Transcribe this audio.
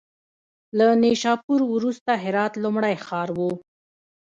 له نیشاپور وروسته هرات لومړی ښار و.